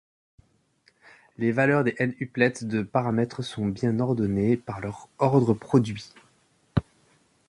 Les valeurs des n-uplets de paramètres sont bien ordonnées par leur ordre produit.